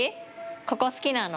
ここ、好きなの？